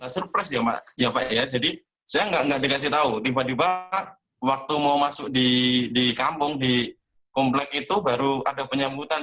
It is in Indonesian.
surprise ya pak ya jadi saya nggak dikasih tahu tiba tiba waktu mau masuk di kampung di komplek itu baru ada penyambutan